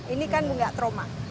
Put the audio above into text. ini kan bukan trauma